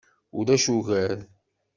Ulac ugar.